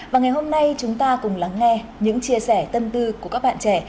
và ngày hôm nay chúng ta cùng lắng nghe những chia sẻ tâm tư của các bạn trẻ